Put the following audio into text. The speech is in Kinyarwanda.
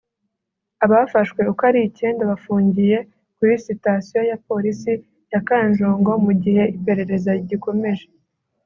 Abafashwe uko ari icyenda bafungiye kuri sitasiyo ya Polisi ya Kanjongo mu gihe iperereza rigikomeje